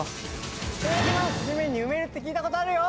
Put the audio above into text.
地面に埋めるって聞いたことあるよ！